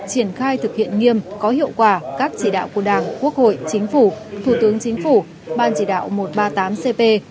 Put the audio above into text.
triển khai thực hiện nghiêm có hiệu quả các chỉ đạo của đảng quốc hội chính phủ thủ tướng chính phủ ban chỉ đạo một trăm ba mươi tám cp